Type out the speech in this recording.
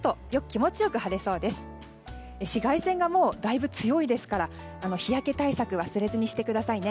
もう紫外線がだいぶ強いですから日焼け対策は忘れずにしてくださいね。